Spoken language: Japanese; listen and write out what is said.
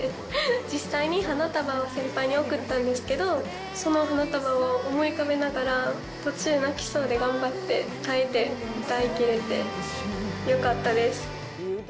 実際に花束を先輩に贈ったんですけど、その花束を思い浮かべながら途中、泣きそうで頑張って耐えて歌いきれてよかったです。